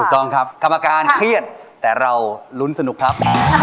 ถูกต้องครับคำอาการเครียดแต่เรารุ้นสนุกครับ